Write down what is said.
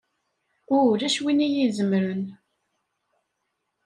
Ulac win i iyi-izemren!